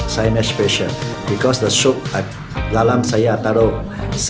saya sangat khusus karena sup dalamnya saya taruh